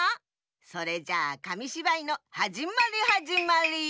それじゃあかみしばいのはじまりはじまり！